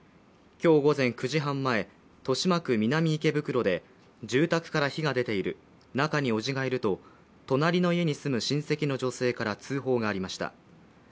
今日午前９時半前、豊島区南池袋で、住宅から火が出ている中におじがいると隣の家に住む親戚の女性から通報がありました。